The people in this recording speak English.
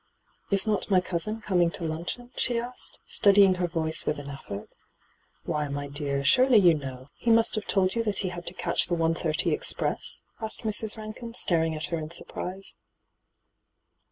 * Is not my cousin coming to luncheon ?' she asked, steadying her voice with an effort. ' Why, my dear, surely you know : he must have told you that he had to catch the 1.30 express ?' asked Mrs. Rankin, staring at her in surprise.